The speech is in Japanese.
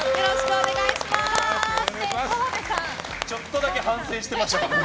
ちょっとだけ反省してましたね。